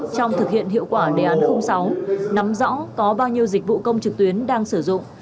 trong thực hiện hiệu quả đề án sáu nắm rõ có bao nhiêu dịch vụ công trực tuyến đang sử dụng